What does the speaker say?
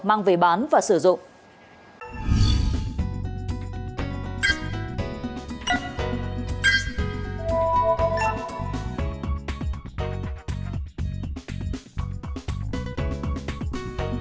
mang về bán và sử dụng